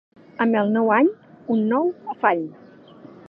Amb el nou any, un nou afany.